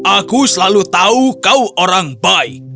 aku selalu tahu kau orang baik